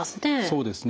そうですね。